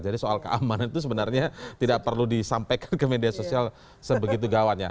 jadi soal keamanan itu sebenarnya tidak perlu disampaikan ke media sosial sebegitu gawatnya